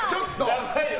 やばいよ。